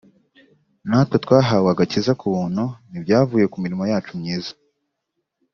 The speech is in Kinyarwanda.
natwe twahawe agakiza ku butnu ntibyavuye ku mirimo yacu myiza